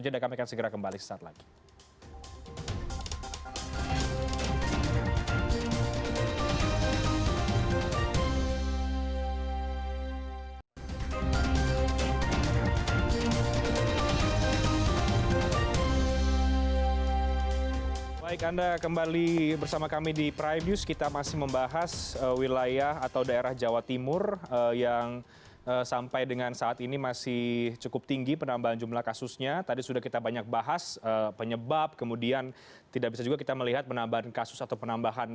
dari apa yang sudah dilakukan